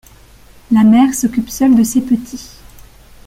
La mère s'occupe seule de ses petits.